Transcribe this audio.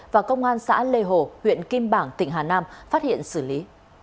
và công an xã lê hồ huyện kim bảng tỉnh hà nam phát hiện xử lý